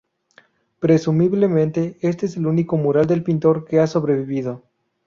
Presumiblemente, este es el único mural del pintor que ha sobrevivido.